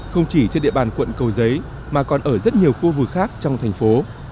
không chỉ trên địa bàn quận cầu giấy mà còn ở rất nhiều khu vực khác trong thành phố